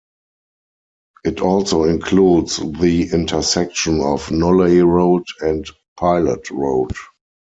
It also includes the intersection of Nolley Road and Pilot Road.